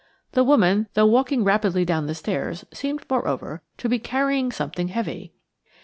The woman, though walking rapidly down the stairs, seemed, moreover, to be carrying something heavy.